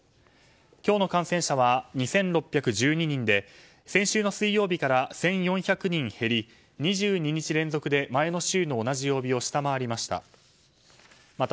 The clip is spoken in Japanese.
今日の感染者は２６１２人で先週の水曜日から１４００人減り２２日連続で前の週の同じ曜日を下回りました。